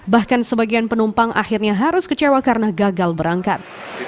bahkan sebagian penumpang akhirnya harus kecewa karena gagal berangkat